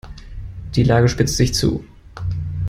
Die Lage spitzt sich zu.